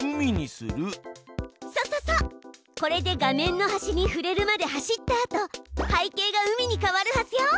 これで画面の端に触れるまで走ったあと背景が海に変わるはずよ。